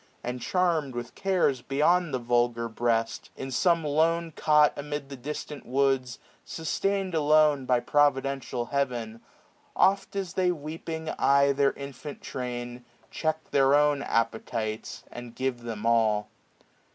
And charmed with cares beyond the vulgar breast ; SPRING. 27 In some lone cott amid the distant woods, 680 Sustained alone by providential Heaven j Oft as they weeping eye their infant train. Check their own appetites, and give them all.